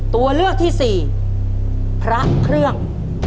ตัวเลือกที่สี่พระเครื่อง